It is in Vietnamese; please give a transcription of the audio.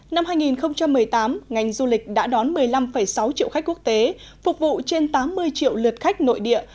năm hai nghìn một mươi tám ngành du lịch đã đón một mươi năm sáu triệu khách quốc tế phục vụ trên tám mươi triệu lượt khách nội địa